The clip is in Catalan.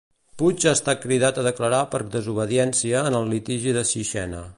Puig ha estat cridat a declarar per desobediència en el litigi de Sixena.